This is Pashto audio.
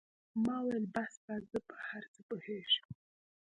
ما وويل بس بس زه په هر څه پوهېږم.